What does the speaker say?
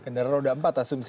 kendaraan roda empat asumsi